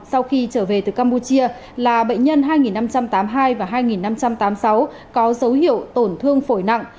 sau khi trở về từ campuchia là bệnh nhân hai năm trăm tám mươi hai và hai năm trăm tám mươi sáu có dấu hiệu tổn thương phổi nặng